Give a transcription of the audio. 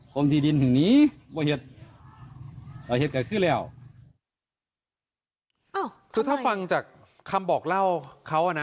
คือถ้าฟังจากคำบอกเล่าเขานะ